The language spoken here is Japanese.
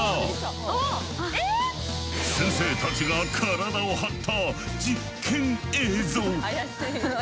先生たちが体を張った実験映像。